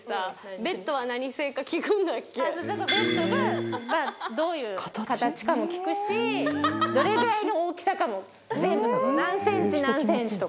ベッドがどういう形かも聞くしどれぐらいの大きさかも全部何センチ何センチとか。